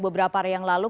beberapa hari yang lalu